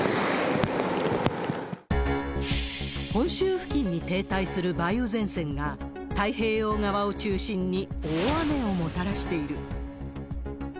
本州付近に停滞する梅雨前線が、太平洋側を中心に大雨をもたらしている。